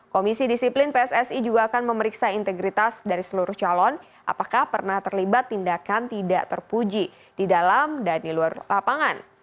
komisi disiplin pssi juga akan memeriksa integritas dari seluruh calon apakah pernah terlibat tindakan tidak terpuji di dalam dan di luar lapangan